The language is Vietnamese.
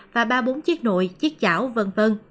và ba bốn chiếc nội chiếc chảo v v